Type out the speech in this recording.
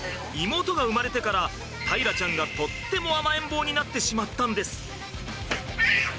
妹が生まれてから大樂ちゃんがとっても甘えん坊になってしまったんです。